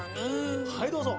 はいどうぞ！